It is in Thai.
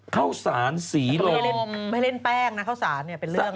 ข้าวศาลศรีโรมสังแผง